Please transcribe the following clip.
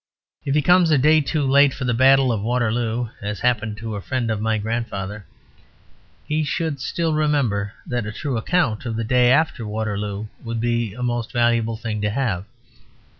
If he comes a day too late for the battle of Waterloo (as happened to a friend of my grandfather) he should still remember that a true account of the day after Waterloo would be a most valuable thing to have.